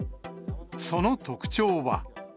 その特徴は。